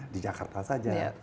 di jakarta saja